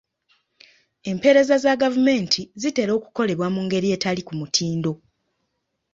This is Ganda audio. Empeereza za gavumenti zitera okukolebwa mu ngeri etali ku mutindo.